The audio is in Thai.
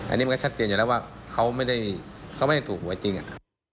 อันนี้มันก็ชัดเจนอยู่แล้วว่าเขาไม่ได้ถูกไว้จริงอะ